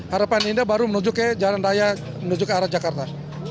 harapan indah baru menuju ke jalan raya menuju ke arah jakarta